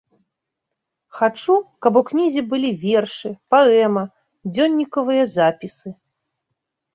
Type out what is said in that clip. Хачу, каб у кнізе былі вершы, паэма, дзённікавыя запісы.